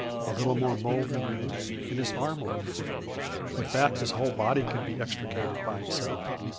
A little more mould removed, and his arm will be free. With that his whole body can be extricated by himself.